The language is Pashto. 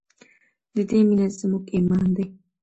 د دې مینه زموږ ایمان دی